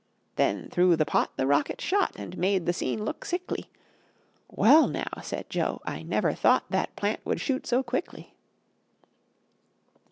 Then through the pot the rocket shot And made the scene look sickly! "Well, now," said Jo, "I never thought That plant would shoot so quickly!"